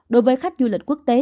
đối với khách du lịch quốc tế